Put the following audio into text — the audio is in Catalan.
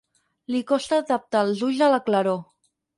Li costa adaptar els ulls a la claror.